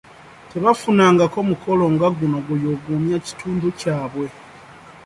Tebafunangako mukolo nga guno guyugumya kitundu kyabwe.